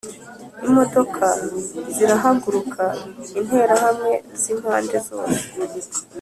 Imodoka zirahaguruka, interahamwe zimpande zose